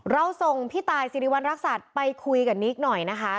เราส่งพี่ตายสิริวัณรักษัตริย์ไปคุยกับนิกหน่อยนะคะ